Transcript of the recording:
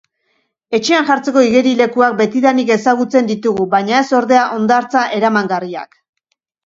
Etxean jartzeko igerilekuak betidanik ezagutzen ditugu baina ez ordea, hondartza eramangarriak.